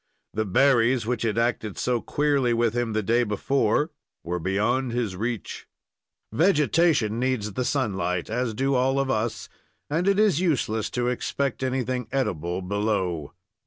The berries, which had acted so queerly with him the day before, were beyond his reach. Vegetation needs the sunlight, as do all of us, and it is useless to expect anything edible below.